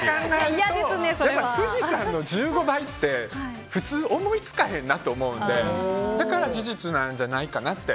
富士山の１５倍って普通思いつかへんなって思うのでだから事実なんじゃないかなって。